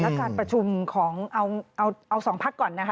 รักษาประชุมของเอา๒พักก่อนนะคะ